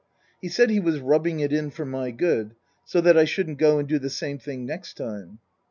He said he was rubbing it in for my good, so that I shouldn't go and do the same thing next time.